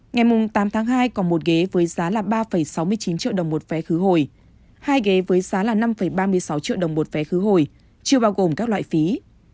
ngày tám tháng hai còn một ghế với giá là ba sáu mươi chín triệu đồng một vé khứ hồi hai ghế với giá là năm ba mươi sáu triệu đồng một vé khứ hồi chưa bao gồm các loại phí